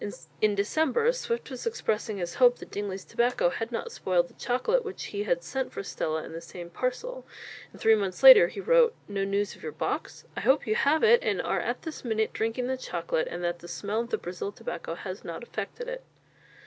In December, Swift was expressing his hope that Dingley's tobacco had not spoiled the chocolate which he had sent for Stella in the same parcel; and three months later he wrote: "No news of your box? I hope you have it, and are this minute drinking the chocolate, and that the smell of the Brazil tobacco has not affected it."